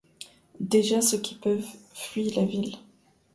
Déjà ceux qui peuvent fuient la ville.